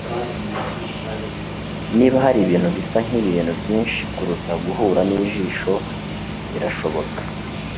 niba hari ibintu bisa nkibintu byinshi kuruta guhura nijisho, birashoboka